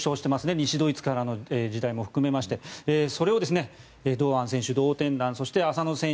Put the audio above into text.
西ドイツからの時代も含めましてそれを堂安選手、同点弾そして浅野選手